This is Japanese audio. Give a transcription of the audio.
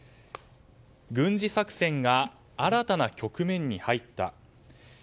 軍事作戦が新たな局面に入った。